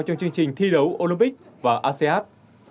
trong chương trình thi đấu olympic và asean